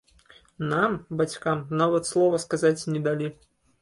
Нам, бацькам, нават слова сказаць не далі.